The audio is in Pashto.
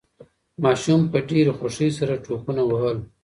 ماشوم په ډېرې خوښۍ سره ټوپونه وهل.